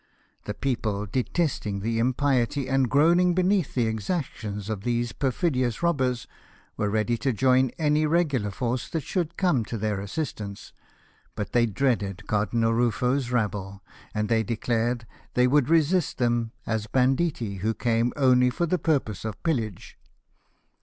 " The people, detesting the impiety, and groaning beneath the exactions of these perfidious robbers, were ready to join any regular force that should come to their assistance, but they dreaded Cardinal Ruffo's rabble, and they declared they would resist them as banditti who came only for the pur pose of pillage.